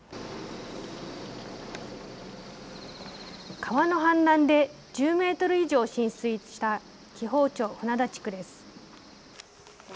川の氾濫で１０メートル以上浸水した紀宝町鮒田地区です。